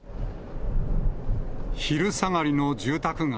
昼下がりの住宅街。